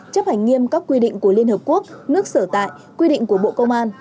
chấp hành nghiêm các quy định của liên hợp quốc nước sở tại quy định của bộ công an